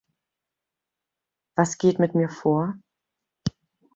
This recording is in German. Was geht mit mir vor?